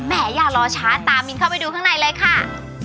อย่ารอช้าตามมินเข้าไปดูข้างในเลยค่ะ